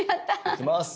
いきます。